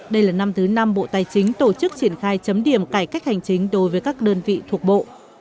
đây là năm thứ năm bộ tài chính tổ chức triển khai chấm điểm cải cách hành chính đối với các đơn vị thuộc bộ